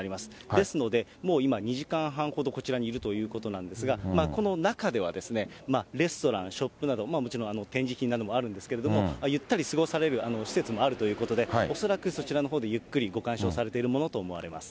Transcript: ですので、もう今２時間半ほど、こちらにいるということなんですが、この中ではですね、レストラン、ショップなど、もちろん展示品などもあるんですけれども、ゆったり過ごされる施設もあるということで、恐らく、そちらのほうでゆっくりご鑑賞されているものと思われます。